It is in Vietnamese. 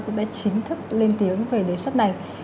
cũng đã chính thức lên tiếng về đề xuất này